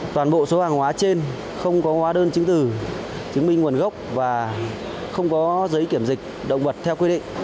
toàn bộ số hàng hóa trên không có hóa đơn chứng từ chứng minh nguồn gốc và không có giấy kiểm dịch động vật theo quy định